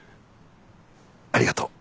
ありがとう。